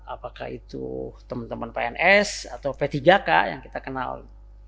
apakah itu teman teman pns atau p tiga k yang kita kenal